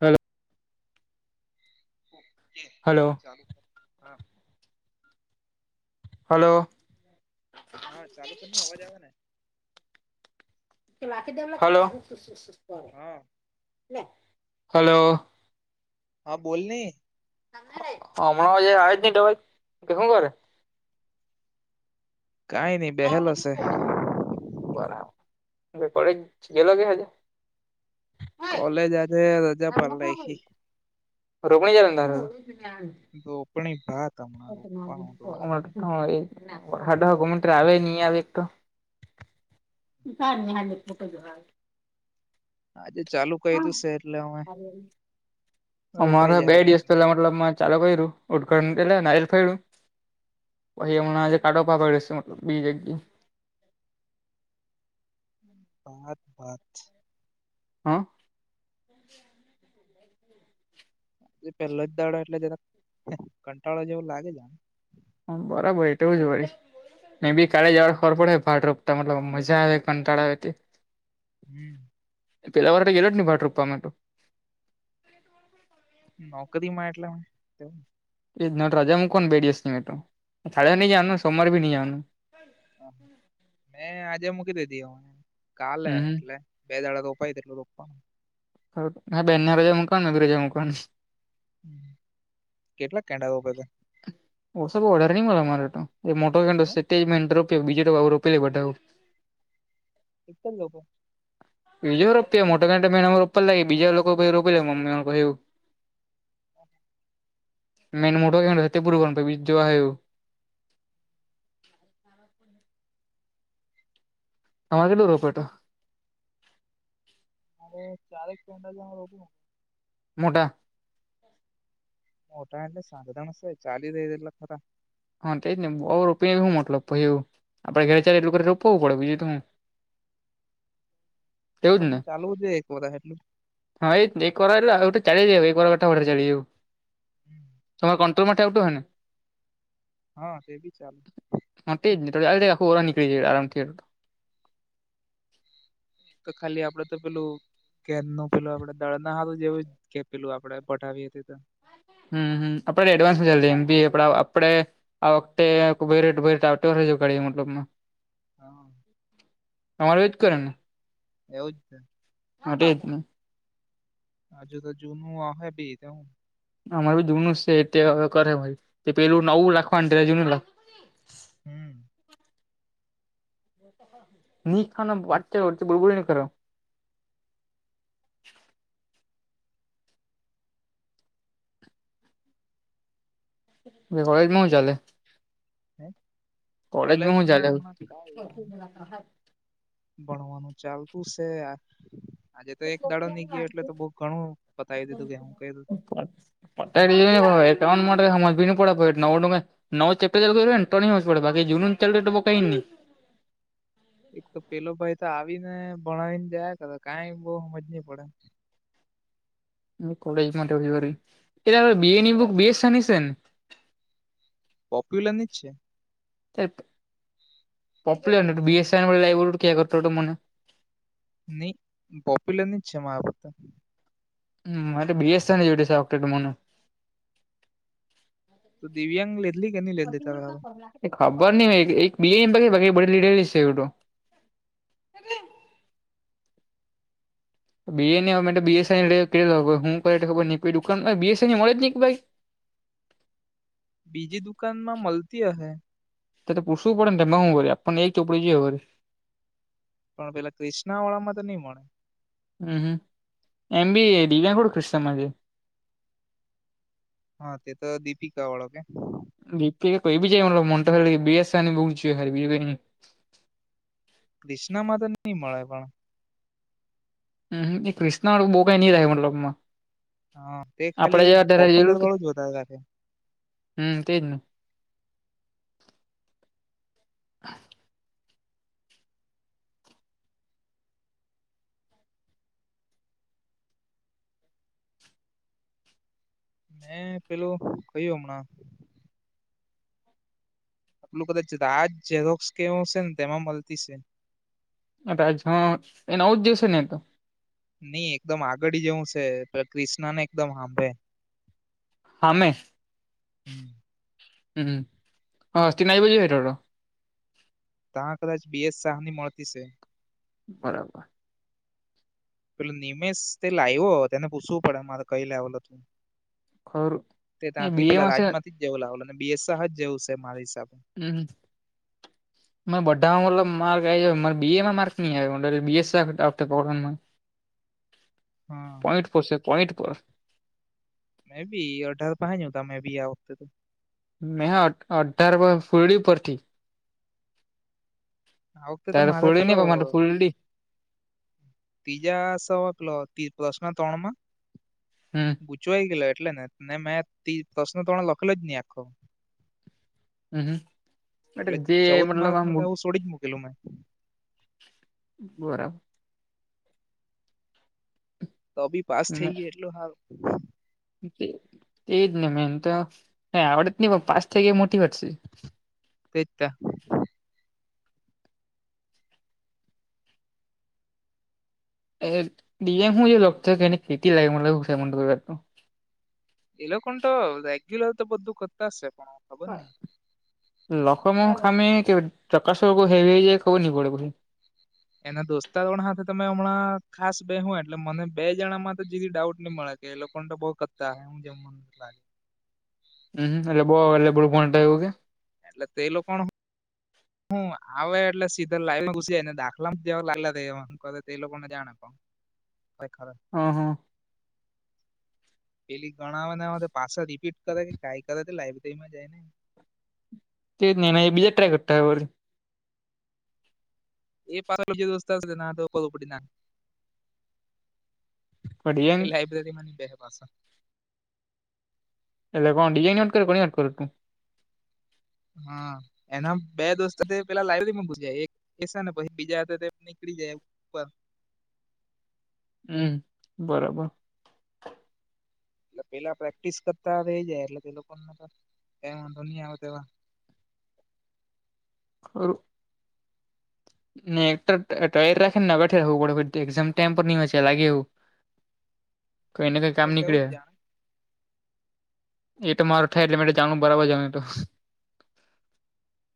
Hello okay hello ચાલુ કર હા હાલો હા ચાલુ કર ન અવાજ આવે ને હાલો હા હાલો હા બોલને હમણા જે આજ નીટ ભાઈ શું કર કઈ નહી રા બે જ ગલો કે હજ કોલેજ આજે રજા પાડનાઇખી [unintelligible] રોપણી ભાત હમણાં રોપવાનો હત એટલે હ એ સાડા હ ઘુમન્ટ આવે ન આવે એક તો સારુ હાલો કે તો હોય આજે ચાલુ કઇરું છે એટલે હવે ઉપાઈ જાય બે ત્રણ ચાલો કઇરું [unintelligible] વહી હમણાં જે કઢવા પડેશે મતલબ બી જગી. બાત બાત છે. હા. પેલો જ દાડો એટલે જરાક કંટાળો જેવું લાગે છે. હમ બરાબર એટો હોયજ. [unintelligible] મે બી કાલે જ ખબર પડે ભાડ રોતા મતલબ મજા આવે કંટાળાવ. હમ. પેલા વાર તો ગે જ નહ ભટ રૂપવા માટે તો નોકરીમાં એટલે. એ નોટ રજા મુકો ને બે દિવસ ની તો એસતીમ [inaudible] મટું સાા નની જ આનું સોમવાાર ભ ન જનું મેં આજે મૂકી દીધી હુ કાલે હમ એટલે. બે દાડા રોપાય એટું રોપવાનું હા બ બેનનારા જ મ [inaudible] કનું નગરે જ મકની કેટલા કેંડા બઘાં. ઓ સબ ઓર્ડર નહી મળે મારે તો [inaudible] બીજ રોપી લે બધા એક જ લોકો. બીજો રોપિયા મોટાં મેને રોપ લાગી બીજા લોકો રોપી મમ્મીને કહ્યું. મેન મોટો એ તે પૂર બી જો આયો. હમ [unintelligible] તમારે શું રોપેટો. અરે ચારેક પંડા જમાં રો [inaudible] મોટા. મોટા એટલે સારધણ છે ચાલી લે ખરા. હા તે જ નહી બપી હું મટલ એવું. આપડે ઘરે ચાલે એટલું ઘ રોપવું પડે બીજું તું. આપણ ચાલવું જે એક વરહ. હા એ એક ચલી જ એક [inaudible] ચલી તર કો તો માટે આવતુ હો ને. હા તે બી ચાલે. હા તે [inaudible] નીકળી આમથી તો ખાલી આપડે તો પેલું. કે નું પેલું આપડે દળ ના આવુ જેવું કે પેલું આપડે પઠાવી હતી તો. હમ હમ આપડે એડવાન્સ હજાર લેવાનું બી આપ આપડે. આ વખતે આખું ભરેટ ભરે આવતી રેજે કર મતલબમાં. હા. તમાર વેજ કરે ને. એવુંજ. હટ નને અજુ તો જનું અભે ભી દ‌ઉ. અમારે જૂનું છે તે કરે ભા‌ઈ પેલું નવું લખવાનું તે લખ હમ. જોતો હ. [inaudible] ખા વાચચ વ બોબો ન [inaudible] ખ. એ કોલેજમાં હું ચાલે. હે. કોલેજમાં હું ચાલે. હમણાં કઈ ભણવાનું ચાલતું સે. આજે તો એક દાડો ની ગયો એટલે તો બહુ ઘણું બતાવી દીધું કે હું કું. પત સ [inaudible] મજી ન કો ભ નવડ નવુ ચેપટર ચાલુ કરે તોની મેડ પડે બાકી જુનુ ચાલુ રે બો કાએ ન‌ઈ. એક તો પેલો ભાઈ તો આવી ને ભણાવીને જાય ખરો કાઈ બોહ હમજ નહી પડે કોલેજ મા [unintelligible] બી. એ. ની બુક બે સેની સેને વોક્યુલર ની છે. પોપુલર બી એસ કે મને. ની પોપ્યુલર ની જ છે માર મતે હ બીએસ જોક. [unintelligible] તો દિવ્યાંગ લીધલી કે નહી લીધલી પ્રતિ તારે મોટકા હારું કરલા એ ખબર ની હો એક બી. એ. બધી લીધેલીજ સે એવું ટો બ એસઈ હું બ ન કો દુકાનસઈ મળે જ નઈ ભાઈ? બીજી દુકાન માં મલતી હહે. તો પુસુું પડે ને એમાં હું વરે આપણ ને એક ચોપડી જોએ વરે પણ પેલા ક્રિષ્નાવાળામાં તો ની મળે. હમ્મ હમ્મ એમ. બી. એ. દિવ્યા કો [unintelligible] માટે હા તે તો દીપિકા વાળો કે બી કે કોઈબી જે મોન્ટા બી. એસ. આર. બી બુક જોએ ખાલી બીજું કાય ની ક્રિષ્ણા માં તો નહી મળે પણ. હ એ ક્રિષ્નાવાળો બો કઈ ની [unintelligible] મતલબમાં. હા તે આપડે ખાલી જેવા ત્યારે પોપ્યુલર વાળો જોતા લાગે હમ્મ તે જ ન. મેં પેલું કયું હમણાં. પેલું કદાચ રાજ ઝરોક્સ કેવું છે ને તેમાં મલતી છે. અ હ એ નવુ જ દેશે ને તો. નઈ એકદમ આગડ જેવું છે ક્રિષ્નાને એકદમ હામેં હામે. હમ્મ. હ હં તિના આવી બજી હોટો. તા કદાચ બી. એ. સાહ ની મળતી છે. બરાબર. પેલું નિમેશ તે લાયવો તેને પૂછવું પડે મારે કઈ લાવેલ હતું. ખરું તે એ ત્યાંથી બી પેલા એમાં છે રાજમાંથી જ જેવું લાવે બી. એ. સાહ. જ જેવું છે મારા હિસાબે. હમ્મ અ બધામાં મતલબ માર્ક આઈ જા મારે બી. એ. માર્ક નહીં આવે [unintelligible] હા પોઈન્ટ પર છે પોઈન્ટ પર. મેં બી અઢાર [unintelligible] તમે બીએ આવો તો મે અઢાર વા ફૂરડી ઉપરથી. આ વખતે તારે મારે ફૂલડી નહી પીલો પણ મારે ફૂલડી ત્રીજા [unintelligible] પ્રશ્ન ત્રણ માં. હમ્મ. ગૂંચવા ગેલો એટલે નેને મેં તી પ્રશ્ન ત્રણ લખેલો જ નહી આખો હમ્મ અહ એટલે ચૌદ માર્ક નું તો આવું છોડી જ મૂકેલું મેં બરાબ તો બી પાસ થઈ ગ્યો એટલો હા તેજ ને મેન તો આવડત નહી પાસ થઈ ગઈ મોટી વાત સે તે તા એ દએમું જે થાય કે એને ખેટી લાગે મને થ મંદ કર તો. એ લોકોન તો રેગ્યુલર તો બધું કરતા શે પણ ખબર નહિ લખમ ઓમ ખામી કે ચકાસવા હેવી ખબર નહીં પડે [unintelligible] એના દોસ્તો હ તમે હમણાં ખાસ બેહો એટલે મને બે જણા માં તો જિલ્દી ડાઉટ નહી મળે ગે લોકો પણ તો બહુ ક્તાા હું જેમ લાગ. હમ્મ હમ્મ એટલે બો [unintelligible] કે. એટલે તે લોકોનું હું આવે એટલે સીધા લાઈમાં ઘુસી જાય ને દાખલા જેવા લાગલા કર એ તે લોકોને જાણે પણ. પ ખર હ હ. પેલી ગણાવ ને પાછ રીપીટ કરે કે કઈ કરે લાઈબ્રેરી માં જાય ને. તે ને એ બીજા ટ્રાય કરતા હો વ. એ પાછ [unintelligible] તો કર પડી ના. ડિઝાઇન એ લાઈબ્રેરીમાંની બે પાસા એટલે કોણ બીજાની વાત કરે કે કોની વાત કરે. હા એના બે દોસ્ત પેલા લાઈબરીમાં પૂછ એક. એસા ને પછી બીજા હતા નીકળી જાય ઉપર. હમ બરોબર. એટલે પેલા પ્રેક્ટિસ કરતા જાય એટલે તે લોકો ને તો ક વાંધો નહી આવે તોવા. કરું. ને એક ટાયર રાખે ને અગ એામ ટાઈમ પર નઈ લાગે એવું. કઈને કઈ કામ એ તેવું નીકળે. જ જાણે એ તો મારું થાય એટલે મે જાણવું બરાબર જનું અતો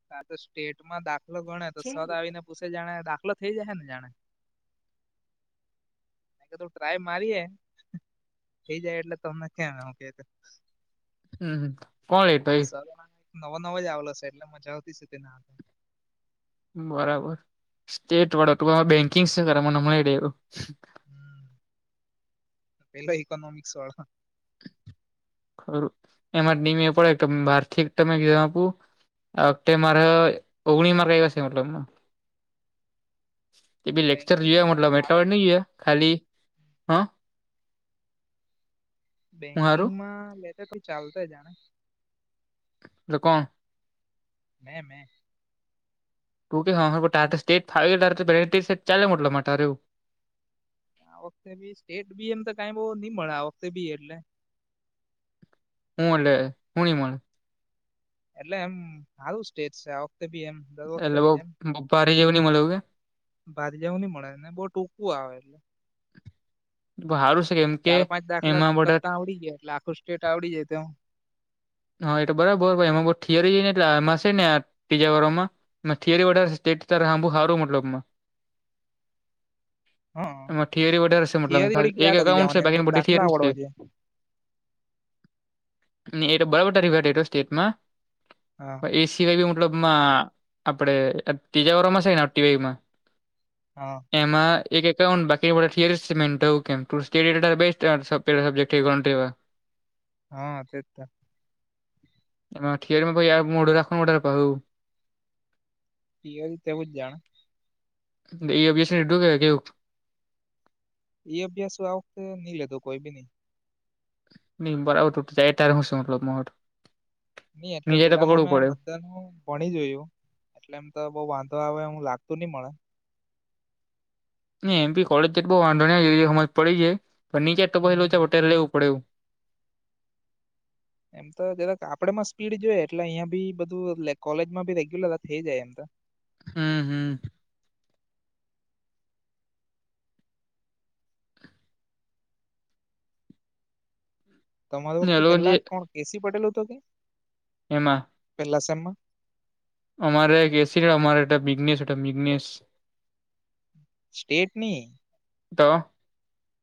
હા તો સ્ટેટમાં દાખલો ગણ તો સત આવીને પૂછે જાણે દાખલો થઈ જાય ને જાણે. મેં ટ્રાય મારીએ થઈ જાય એટલે તમને કેમ હું કે. હમ્મ હ કોણ એતો. નવા નવા જ આવેલો છે એટલે મજા આવતી છે તેના હથે. બરાબર સ્ટેટ વાળો તો બેંકિંગ શ કરે મનેમ રેવું. હમ પેલો ઇકોનોમિક્સ વાળા. ખ એમાં નિમ એ પડે કે બારથી તમે આપું. અગતે મારે ઓગણી મારગ એવાસે મતલબ. એ બી લેક્ચર બેંકિંગ જોયા તો મતલબ એટલા સારું વડ નઈ જોયા ખાલી. હાં. બેંકિંગમાં લેતા તો ચાલતા જાણે. ત કોણ. મે મે. તૂટી ખાવાની તારે તો સ્ટેટ ફાવે તારે તો પ્રેક્ટિસ જ ચાલે મતલબમાં તારે એવું આ વખતે બી સ્ટેટ બી એમ તો કઈ બહ નઈ મળે આ વખતે બી એટલે. હુંલે હું ણી મળ. એટલે એમ સારું સ્ટેજ છે આ વખતે બી એમ. દર વખતે એટલે બઉ બ ભારી જેવું નઈ મળવું કે. ભા જવું નહ મળે ને બહુ ટૂંકું આવે એટલે. હારું છે કેમ. કે ચાર પાંચ દાખલાખ એમાં બધા કરતાં આવડી ગાય એટલે આખું સ્ટેટ આવડી જાય તો. હા એટલે બરાબર એમાં થથીિયરી જઈ ને એટલે આમાં ને આ તીજા ઘરોમાં. મે થિયરી વડેેટંબુ હારું મતલબમાં. હ એમાં થિયરી વધારે છે મતલબ થિયરી થોડીક એક યાદ કરી અાઉન્ટ છે જવાની બાકીની બધી દાખલા થિયરી છે. આવડવા જોઈએ એ તો બરાબટા રવા સ્ટેટમાં. હા. એ સવાય બી મતલબ આપડણે ત્રીજા વારમાં છે ને ટી વાય માં. હા. એમાં એકાન્ટ બાકી બાકી બધાથી અડી છે સ્ટેટ [unintelligible] તેવા હા તેજ ત એમાં થેરીમાં કોઈ આવે મોઢ રાખ પા હું. ઠીક છે, એવું જાણો. એ અભ્યાસ ને કે કેવું? એ અભ્યાસ આ વખતે નઈ લેતો, કોઈ બી નઈ. ન બરાબર જાય [unintelligible] નઈ, એટલે ની જાય તો પેલાનું પકડવું મેં પડે બધું. તેનુ ભણી જોયું, એટલે એમ તો બઉ વાંધો આવે લાગતું નહીં મળે. એમ ભી કોલેજમાં એટલો વાધો નહીં લેવું પડે, એવું. એમ તો જરાક આપડા માં સ્પીડ જોઈએ, એટલે અહિયાં બી બધું કોલેજ માં ભી રેગ્યુલર થઈ જાય, એમ તો. હમ, હમ. તમારો ને એ લોકો જે પેલા કોણ, કેસી પટેલ હતો કે? એમાં. પેલા સેમમા? અમારે કેસી ની મિગનેસ હતો, મિગનેસ. સ્ટેટ ની. તો.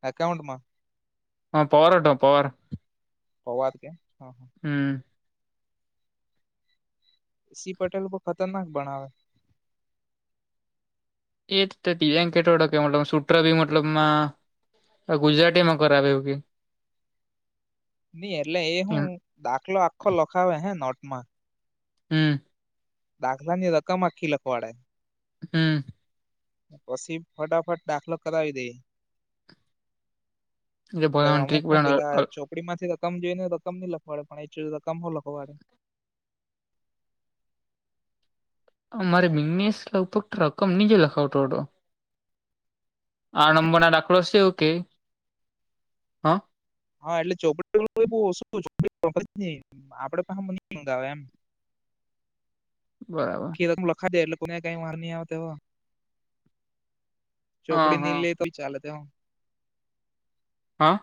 અકાઉન્ટમાં. હા, પવાર હતો, પવાર. પવાર હતો. હમ. કેસી પટેલ તો ખતરનાક ભણાવે. [unintelligible] મતલબમાં અ ગુજરાતીમાં કરાવે એવું કે. નઈ, એટલે એ હું દાખલો આખો લખાવે હે, નોટ માં. હમ. દાખલા ની રકમ આખી લખવાડે. હમ. પછી ફટાફટ દાખલો કરાવી દે. એટલે ભણાવવાનો અમુક ટ્રીક હું પેલા ભણાવ ચોપડી માંથી રકમ જોઈ ને, તો રકમ નહીં લખવાડે, [unintelligible] રકમ મો લખવાડે. મારે મિગનેસ આવતો, રકમ નીચે લખાવતો હતો. આ નંબર ના દાખલો છે, એવું કેય? હા, એટલે ચોપડી માંથી ઓછું ઓછું કરાવે, આપડે પણ મંગાવે, એમ. બરાબર. આખી લખા દે, એટલે કોને કઈ વાર નહીં આવ, હો, હા ચોપડી ની હા લે. પરીક્ષા ચાલે, તો એમ. હા.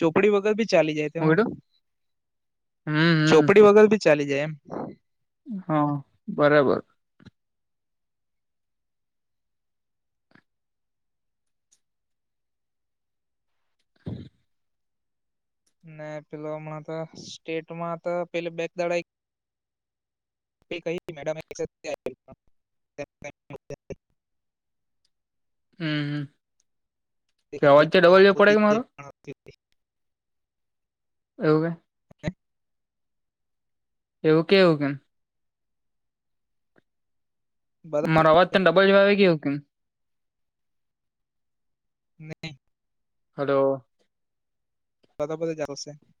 ચોપડી વગર ભી ચાલી જાય. તો હું હમ હમ ચોપડી વગર ભી ચાલી જાય, એમ. હા, બરાબર. હ. ન, પેલો હમણાં તો સ્ટેટમાં તો પેલી બેક દાડા એ કહી, મેડમ? હમ. તો અવાજ તો જાય ડબલ જેવો પડે કે મારો પણ જે એવું કે. હ. એવું કેવું, કેમ? બધા મારો અવાજ તને ડબલ આવી ગયો, કેમ? નહીં. હલો. [unintelligible]